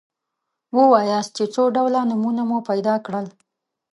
ووایاست چې څو ډوله نومونه مو پیدا کړل.